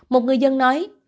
một người dân nói